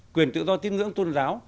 quyền tự do tín ngưỡng tôn giáo